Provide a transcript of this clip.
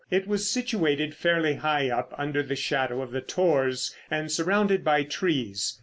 It was situated fairly high up under the shadow of the tors and surrounded by trees.